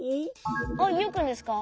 あっユウくんですか？